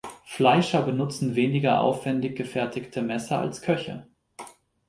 Fleischer benutzen weniger aufwendig gefertigte Messer als Köche.